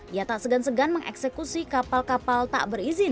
ia tak segan segan mengeksekusi kapal kapal tak berizin